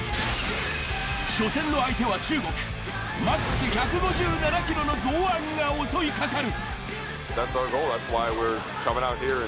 初戦の相手は中国、マックス１５７キロの剛腕が襲いかかる。